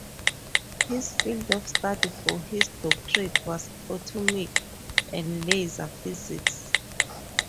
His field of study for his doctorate was atomic and laser physics.